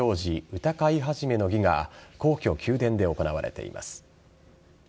歌会始の儀が皇居・宮殿で行われています。